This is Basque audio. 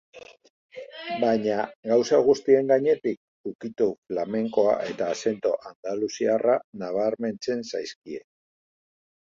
Baina, gauza guztien gainetik, ukitu flamenkoa eta azento andaluziarra nabarmentzen zaizkie.